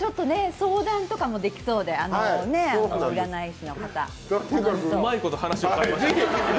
相談とかもできそうで、占い師の方。